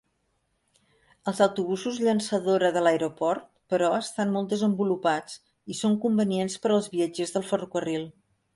Els autobusos llançadora de l'aeroport, però, estan molt desenvolupats i són convenients per als viatgers del ferrocarril.